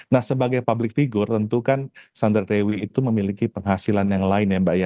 nah sebagai public figure tentu yang sandra dewi itu memiliki penghasilan lain